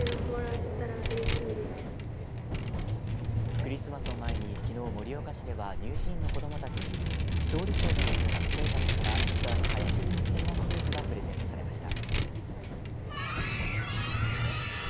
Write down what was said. クリスマスを前にきのう盛岡市では乳児院の子どもたちに調理師を目指す学生たちから一足早くクリスマスケーキがプレゼントされました。